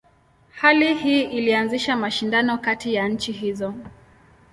Hali hii ilianzisha mashindano kati ya nchi hizo.